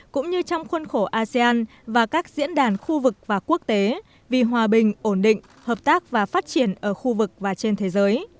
cũng như trong khuôn khổ asean và các diễn đàn khu vực và quốc tế vì hòa bình ổn định hợp tác và phát triển ở khu vực và trên thế giới